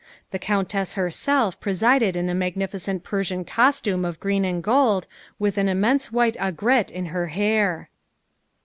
"The countess herself presided in a magnificent Persian costume of green and gold, with an immense white aigrette in her hair."